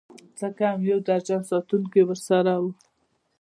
څه کم يو درجن ساتونکي ورسره وو.